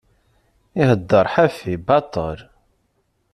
Iheddeṛ ḥafi, baṭel.